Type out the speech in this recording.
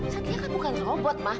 satya kan bukan robot ma